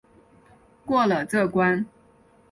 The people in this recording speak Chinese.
过了这关